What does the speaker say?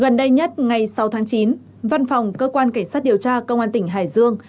gần đây nhất ngày sáu tháng chín văn phòng cơ quan cảnh sát điều tra công an tỉnh hải dương